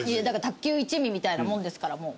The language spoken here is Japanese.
だから卓球一味みたいなもんですから。